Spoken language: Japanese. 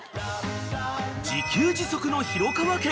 ［自給自足の廣川家］